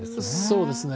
そうですね。